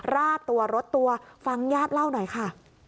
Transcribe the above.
ราดตัวรถตัวฟังญาติเล่าหน่อยค่ะ